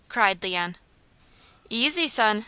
cried Leon. "Easy son!"